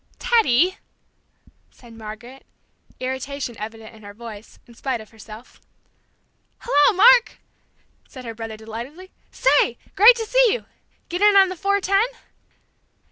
"Teddy!" said Margaret, irritation evident in her voice, in spite of herself. "Hello, Mark!" said her brother, delightedly. "Say, great to see you! Get in on the four ten?"